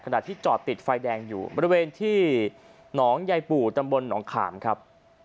ที่จอดติดไฟแดงอยู่บริเวณที่หนองยายปู่ตำบลหนองขามครับ